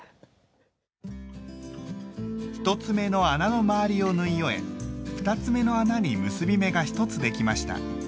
１つ目の穴の周りを縫い終え２つ目の穴に結び目が一つできました。